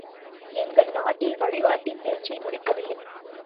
எங்கள் நாட்டில்... வழிகாட்டி பேச்சை முடிக்கவில்லை.